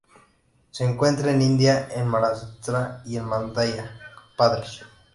Se encuentra en India en Maharashtra y en Madhya Pradesh.